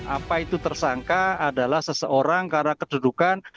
apa itu tersangka adalah seseorang karena kedudukan